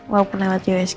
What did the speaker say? walaupun lewat usg